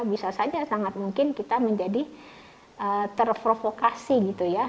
bisa saja sangat mungkin kita menjadi terprovokasi gitu ya